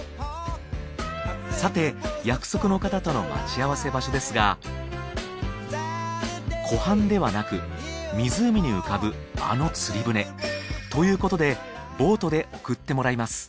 さて約束の方との待ち合わせ場所ですが湖畔ではなく湖に浮かぶあの釣り船。ということでボートで送ってもらいます